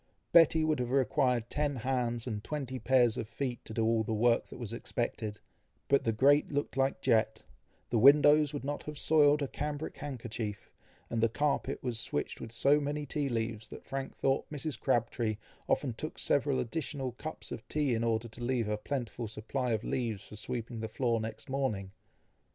Betty would have required ten hands, and twenty pair of feet, to do all the work that was expected; but the grate looked like jet, the windows would not have soiled a cambric handkerchief, and the carpet was switched with so many tea leaves, that Frank thought Mrs. Crabtree often took several additional cups of tea in order to leave a plentiful supply of leaves for sweeping the floor next morning.